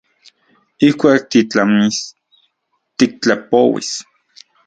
Ijkuak titlamis tiktlapouis.